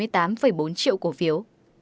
bảy mươi tám bốn triệu cổ phiếu